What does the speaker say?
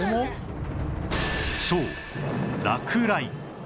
そう落雷